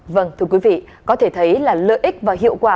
vâng thưa quý vị có thể thấy là lợi ích và hiệu quả